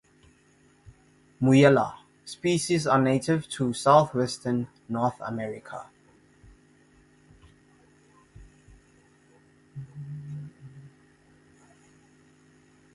"Muilla" species are native to southwestern North America.